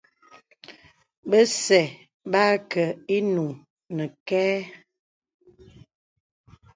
Bə̀zə̄ bə ákə̀ ìnuŋ nəkɛ.